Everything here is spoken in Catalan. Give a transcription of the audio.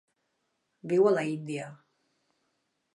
Viu a l'Índia.